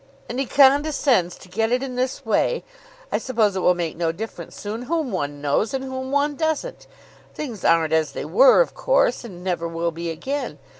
"And he condescends to get it in this way! I suppose it will make no difference soon whom one knows, and whom one doesn't. Things aren't as they were, of course, and never will be again.